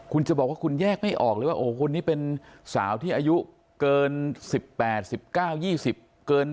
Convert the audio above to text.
คุณจะบอกว่าคุณแยกไม่ออกเลยว่าโอ้คนนี้เป็นสาวที่อายุเกิน๑๘๑๙๒๐เกิน